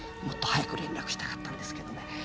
もっと早く連絡したかったんですけど。